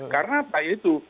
karena apa itu